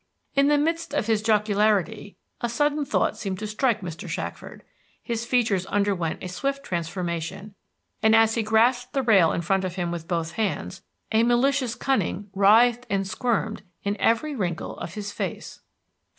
In the midst of his jocularity a sudden thought seemed to strike Mr. Shackford; his features underwent a swift transformation, and as he grasped the rail in front of him with both hands a malicious cunning writhed and squirmed in every wrinkle of his face.